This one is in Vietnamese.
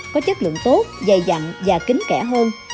có chất lượng tốt dày dặn và kính kẽ hơn